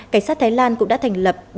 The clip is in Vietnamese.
cảnh sát thái lan cũng đã thành lập